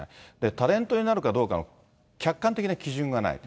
タレントになるかどうかの客観的な基準がない。